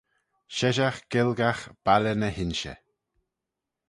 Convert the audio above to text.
Sheshaght Gaelgagh, Balley ny h-Inshey.